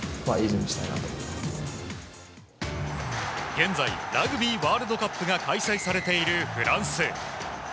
現在ラグビーワールドカップが開催されているフランス。